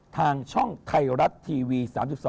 ทางช่องไทยรัฐทีวี๓๒